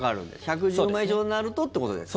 １１０万以上になるとということですか？